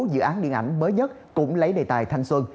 dự án điện ảnh mới nhất cũng lấy đề tài thanh xuân